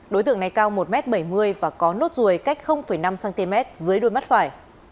đối tượng này cao một m bảy mươi và có nốt ruồi cách năm cm dưới đuôi mắt phải